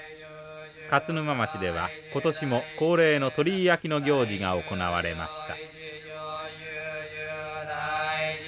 勝沼町では今年も恒例の鳥居焼きの行事が行われました。